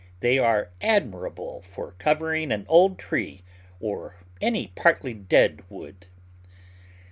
They are admirable for covering an old tree or any partly dead wood.